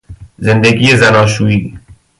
زندگی زناشویی